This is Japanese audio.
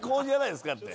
って。